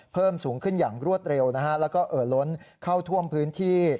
เพิ่มสูงขึ้นอย่างรวดเร็วนะฮะแล้วก็เอ่อล้นเข้าท่วมพื้นที่